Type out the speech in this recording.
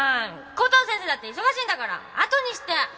コトー先生だって忙しいんだから後にして！